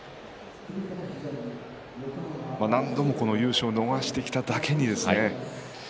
何度も優勝を逃してきただけにですね